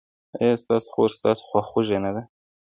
ایا ستاسو خور ستاسو خواخوږې نه ده؟